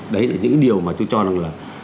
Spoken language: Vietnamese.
đấy là những điều mà tôi cho rằng là